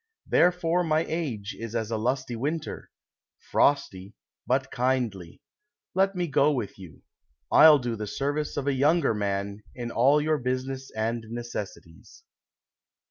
Therefore my age is as a lusty winter, Frosty, but kindly : let me go with you ; I '11 do the service of a younger man In all your business and necessities.